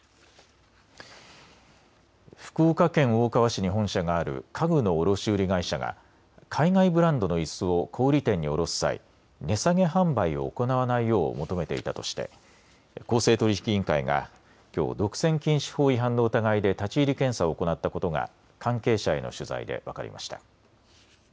福岡県大川市に本社がある家具の卸売会社が海外ブランドのいすを小売店に卸す際、値下げ販売を行わないよう求めていたとして公正取引委員会がきょう、独占禁止法違反の疑いで立ち入り検査を行ったことが関係者への取材で分かりました。